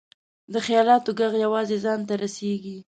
د خیالاتو ږغ یوازې ځان ته رسېږي.